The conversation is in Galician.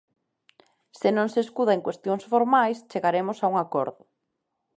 Se non se escuda en cuestións formais, chegaremos a un acordo.